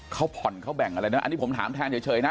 เขาผ่อนเขาแบ่งอะไรนะอันนี้ผมถามแทนเฉยนะ